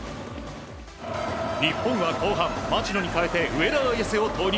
日本は後半町野に代えて上田綺世を投入。